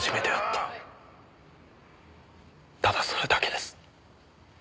ただそれだけです。